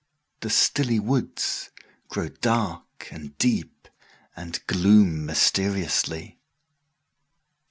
The stilly woods8Grow dark and deep, and gloom mysteriously.